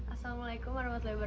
assalamualaikum wr wb